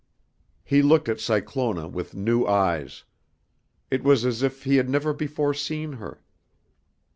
He looked at Cyclona with new eyes. It was as if he had never before seen her.